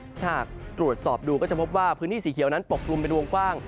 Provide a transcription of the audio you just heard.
ถ้าหากตรวจสอบดูก็จะพบว่าพื้นที่สีเขียวนั้นปกลุ่มเป็นวงกว้าง